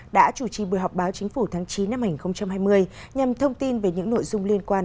đã chủ trì buổi họp báo chính phủ tháng chín năm hai nghìn hai mươi nhằm thông tin về những nội dung liên quan